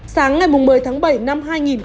sáng ngày một mươi tháng bảy năm hai nghìn hai mươi